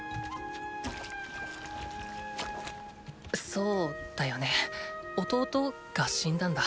そうだよね弟？が死んだんだ。